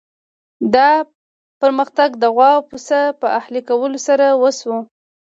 دا پرمختګ د غوا او پسه په اهلي کولو سره وشو.